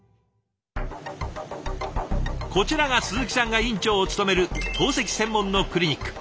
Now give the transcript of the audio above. こちらが鈴木さんが院長を務める透析専門のクリニック。